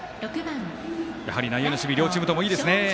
内野の守備両チームともいいですね。